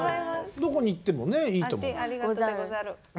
どこに行ってもねいいと思う。